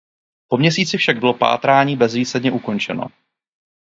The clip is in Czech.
Po měsíci však bylo pátrání bezvýsledně ukončeno.